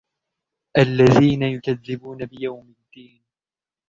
الذين يكذبون بيوم الدين